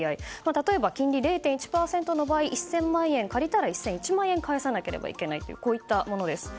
例えば、金利０．１の場合１０００万円借りたら１００１万円返さなければいけないとこういったものです。